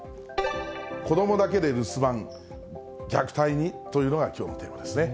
子どもだけで留守番、虐待に？というのがきょうのテーマですね。